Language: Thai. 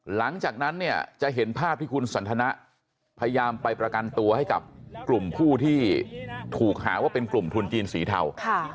หลังจากนั้นเนี่ยจะเห็นภาพที่คุณสันทนะพยายามไปประกันตัวให้กับกลุ่มผู้ที่ถูกหาว่าเป็นกลุ่มทุนจีนสีเทา